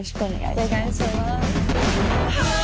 お願いします。